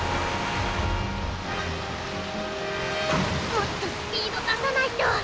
もっとスピード出さないと！